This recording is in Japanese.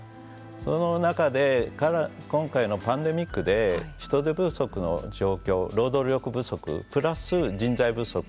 その中で、今回のパンデミックで人手不足の状況労働力不足プラス人材不足